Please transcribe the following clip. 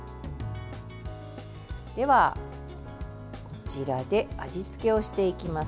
では、こちらで味付けをしていきます。